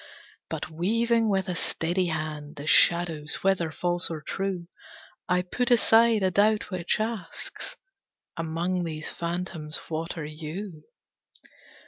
But weaving with a steady hand The shadows, whether false or true, I put aside a doubt which asks "Among these phantoms what are you?"